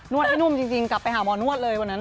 วดให้นุ่มจริงกลับไปหาหมอนวดเลยวันนั้น